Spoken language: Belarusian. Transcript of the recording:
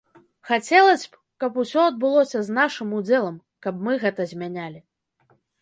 Хацелася б, каб усё адбылося з нашым удзелам, каб мы гэта змянялі.